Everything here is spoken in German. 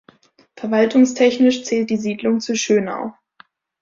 Verwaltungstechnisch zählt die Siedlung zu Schönau.